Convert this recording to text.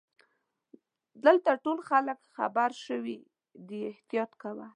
دلته ټول خلګ خبرشوي دي احتیاط کوه.